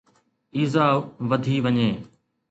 ايذاءُ وڌي وڃي